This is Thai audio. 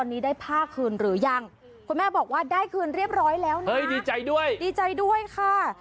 พี่พี่พี่พี่พี่พี่พี่พี่พี่พี่พี่พี่พี่พี่พี่พี่พี่